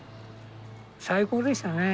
最高でしたねえ